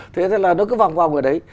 thế là nó cứ vòng vòng ở đấy